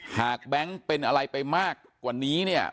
แบงค์เป็นอะไรไปมากกว่านี้เนี่ย